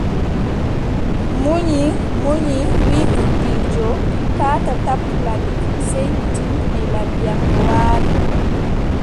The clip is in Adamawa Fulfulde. Munyi, munyi, wiʼi gudiijo : taataa tappu laɓi ki, sey mi tindine laɓi am no waari.